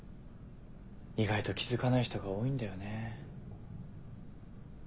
意外と気付かない人が多いんだよね。